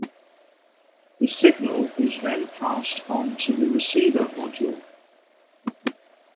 The signal is then passed on to the receiver module.